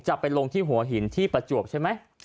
จะไปลงที่หัวหินที่ประจวบใช่ไหม